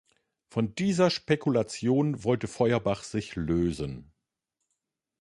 Von dieser Spekulation wollte Feuerbach sich lösen.